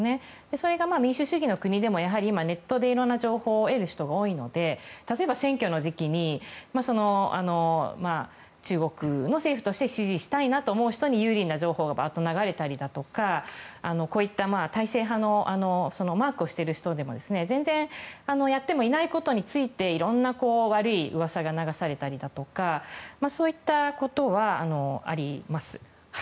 それが民主主義の国でも今、ネットでいろんな情報を得る人が多いので例えば選挙の時期に中国の政府として支持したいなと思う人に有利な情報が流れたりとかマークをしている人も全然やってもいないことについていろんな悪い噂が流されたりとかそういったことはあります。